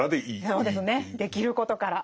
そうですねできることから。